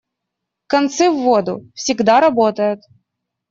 «Концы в воду» всегда работает.